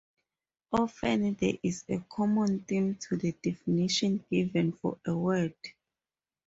Often, there is a common theme to the definitions given for a word.